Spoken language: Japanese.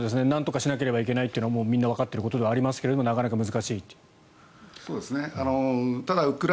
なんとかしなければいけないというのはみんなわかっていることではありますがなかなか難しいという。